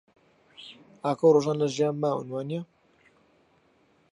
ئاکۆ و ڕۆژان لە ژیان ماون، وانییە؟